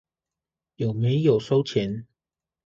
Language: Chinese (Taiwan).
有沒有收錢